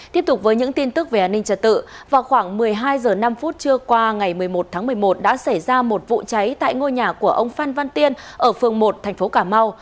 tiếp tục với những tin tức về an ninh trật tự vào khoảng một mươi hai h năm trưa qua ngày một mươi một tháng một mươi một đã xảy ra một vụ cháy tại ngôi nhà của ông phan văn tiên ở phường một thành phố cà mau